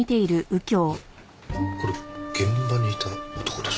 これ現場にいた男ですね。